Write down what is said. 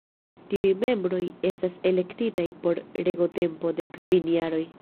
Tiuj membroj estas elektitaj por regotempo de kvin jaroj.